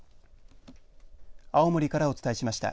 青森からお伝えしました。